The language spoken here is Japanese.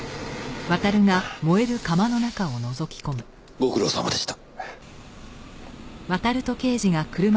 ご苦労さまでした。